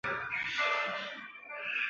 芒乌沃。